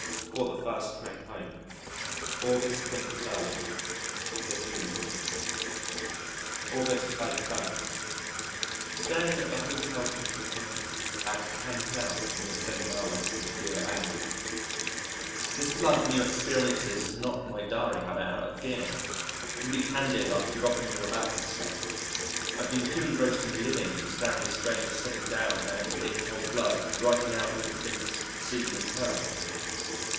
Caught the first train home. August 23. The funeral. August 31. Staying at the Hotel du Guesclin at Cancale near St. Malo with my dear A . This flood of new experiences has knocked my diary habit out of gear. To be candid, I've forgotten all about myself. I've been too engrossed in living to stand the strain of setting down and in cold blood writing out all the things seen and heard.